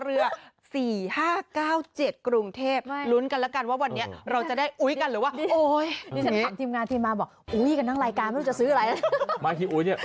อุ๊ยอุ๊ยอุ๊ยอุ๊ยอุ๊ย